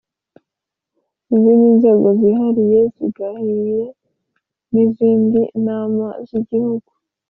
izindi Nzego Zihariye n izindi Nama z Igihugu